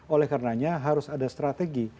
oleh karenanya harus ada strategi